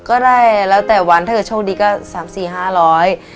ก็ได้แล้วแต่วันถ้าเกิดโชคดีก็สามสี่ห้าร้อย